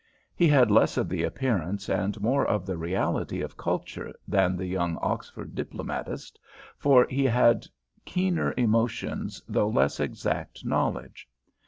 He had less of the appearance and more of the reality of culture than the young Oxford diplomatist, for he had keener emotions though less exact knowledge.